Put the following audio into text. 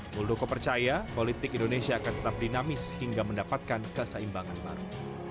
muldoko percaya politik indonesia akan tetap dinamis hingga mendapatkan keseimbangan baru